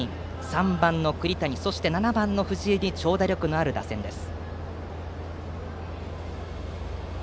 ３番の栗谷そして７番の藤井に長打力のある打線です。